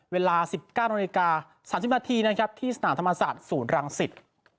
มา๑๙น๓๐นนะครับที่สนามธรรมศาสตร์ศูนย์รังศิษฐ์